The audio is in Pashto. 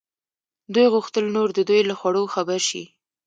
دوی غوښتل نور د دوی له خوړو خبر شي.